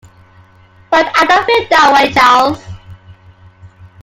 But I don't feel that way, Charles.